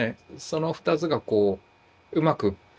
その２つがうまく